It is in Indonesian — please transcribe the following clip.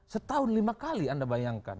setahun lima kali anda bayangkan